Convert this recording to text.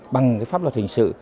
bằng cái pháp luật hình sự